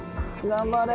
頑張れ。